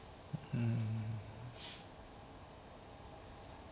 うん。